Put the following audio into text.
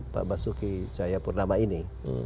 pak basuki cahayapurnama ini